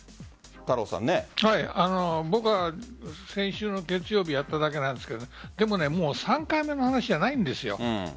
僕は先週の月曜日やっただけなんですがもう３回目の話じゃないんです。